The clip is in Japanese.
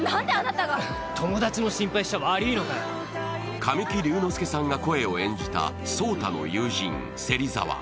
神木隆之介さんが声を演じた草太の友人・芹澤。